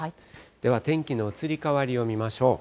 では天気の移り変わりを見ましょう。